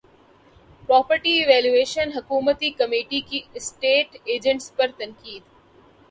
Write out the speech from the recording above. property valuation حکومتی کمیٹی کی اسٹیٹ ایجنٹس پر تنقید